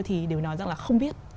thì đều nói rằng là không biết